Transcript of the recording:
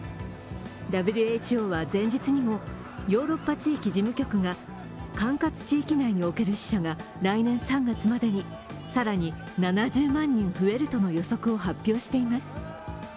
ＷＨＯは前日にもヨーロッパ地域事務局が管轄地域内における死者が来年３月までに更に７０万人増えるとの予測を発表しています。